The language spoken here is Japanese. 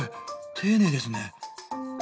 丁寧ですね。